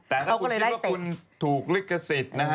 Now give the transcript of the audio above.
แต่ถ้าคุณคิดว่าคุณถูกลิขสิทธิ์นะฮะ